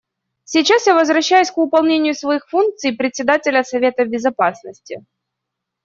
Сейчас я возвращаюсь к выполнению своих функций Председателя Совета Безопасности.